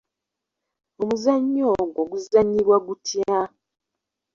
Omuzannyo ogwo guzannyibwa gutya?